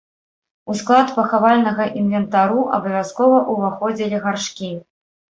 У склад пахавальнага інвентару абавязкова ўваходзілі гаршкі.